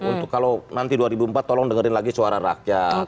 untuk kalau nanti dua ribu empat tolong dengerin lagi suara rakyat